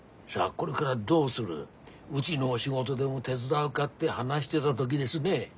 これがらどうするうぢの仕事でも手伝うがって話してだ時ですね